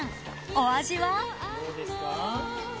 ［お味は？］